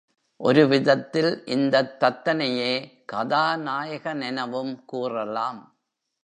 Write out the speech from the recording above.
ஒருவிதத்தில் இந்தத் தத்தனையே கதாநாயகனெனவும் கூறலாம்.